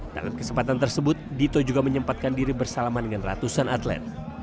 dalam kesempatan tersebut dito juga menyempatkan diri bersalaman dengan ratusan atlet